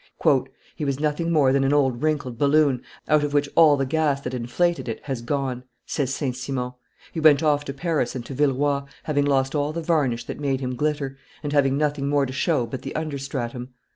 "He was nothing more than an old wrinkled balloon, out of which all the gas that inflated it has gone," says St. Simon: "he went off to Paris and to Villeroi, having lost all the varnish that made him glitter, and having nothing more to show but the under stratum."